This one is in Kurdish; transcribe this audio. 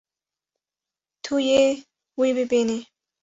Tu yê wî bibînî.